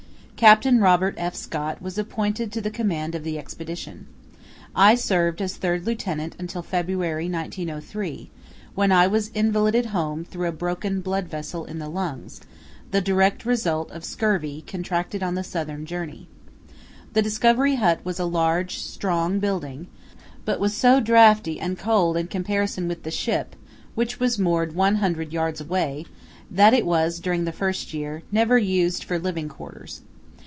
Captain Robert F. Scott was appointed to the command of the Expedition. I served as Third Lieutenant until February 1903, when I was invalided home through a broken blood vessel in the lungs, the direct result of scurvy contracted on the Southern journey. The Discovery hut was a large strong building, but was so draughty and cold in comparison with the ship, which was moored one hundred yards away, that it was, during the first year, never used for living quarters.